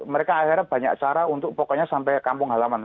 mereka akhirnya banyak cara untuk pokoknya sampai kampung halaman